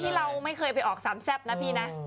ดีที่เราไม่เคยไปออกสัมภาษณ์นะพี่นะ